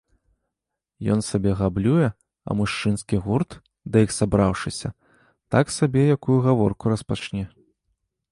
Ён сабе габлюе, а мужчынскі гурт, да іх сабраўшыся, так сабе якую гаворку распачне.